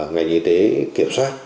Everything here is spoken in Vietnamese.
ngành y tế kiểm soát